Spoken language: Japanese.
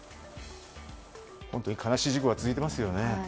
本当に悲しい事故が続いてますよね。